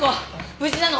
無事なの？